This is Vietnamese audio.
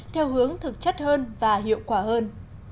theo hướng thực chất hơn và hiệu quả hơn